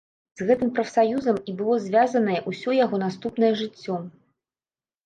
З гэтым прафсаюзам і было звязанае ўсё яго наступнае жыццё.